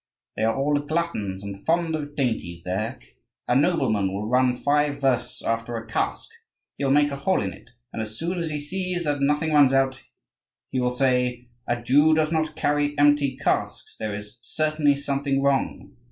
They are all gluttons and fond of dainties there: a nobleman will run five versts after a cask; he will make a hole in it, and as soon as he sees that nothing runs out, he will say, 'A Jew does not carry empty casks; there is certainly something wrong.